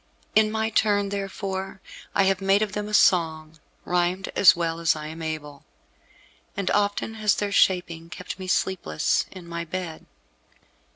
In my turn, therefore, I have made of them a song, rhymed as well as I am able, and often has their shaping kept me sleepless in my bed.